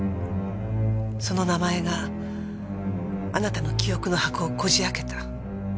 その名前があなたの記憶の箱をこじ開けた。